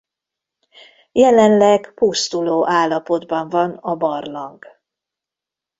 Jelenleg pusztuló állapotban van a barlang.